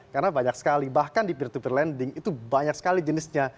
karena banyak sekali bahkan di peer to peer lending itu banyak sekali jenisnya